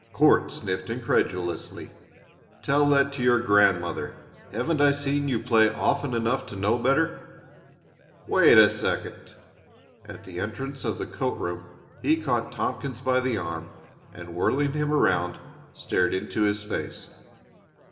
Court sniffed incredulously. "Tell that to your grandmother! Haven't I seen you play often enough to know better? Wait a second." At the entrance of the coat room he caught Tompkins by the arm, and, whirling him around, stared into his face.